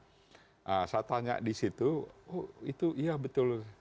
nah saya tanya di situ oh itu iya betul